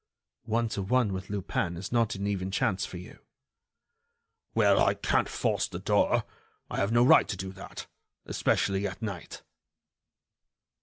"One to one, with Lupin, is not an even chance for you." "Well, I can't force the door. I have no right to do that, especially at night."